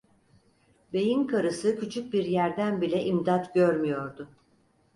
Bey'in karısı küçük bir yerden bile imdat görmüyordu.